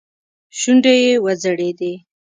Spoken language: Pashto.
شونډې يې وځړېدې.